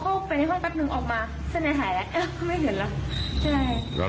เข้าไปในห้องแป๊บนึงออกมาเส้นในหายแล้วเออไม่เห็นแล้วใช่